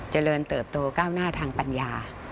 เจริญเติบโตก้าวหน้าทางปัญญา